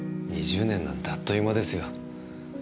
２０年なんてあっという間ですよ。